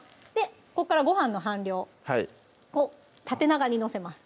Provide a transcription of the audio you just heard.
ここからご飯の半量を縦長に載せます